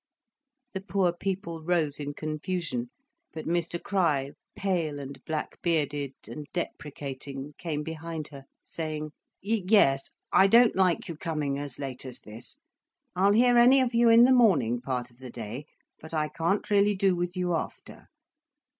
The poor people rose in confusion. But Mr Crich, pale and black bearded and deprecating, came behind her, saying: "Yes, I don't like you coming as late as this. I'll hear any of you in the morning part of the day, but I can't really do with you after.